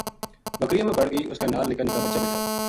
بکریاں ما بَڑ گئی اس کے نال نکا نکا بچا بے تھا